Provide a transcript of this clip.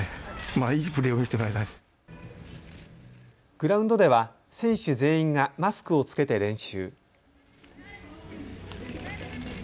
グラウンドでは選手全員がマスクを着けて練習。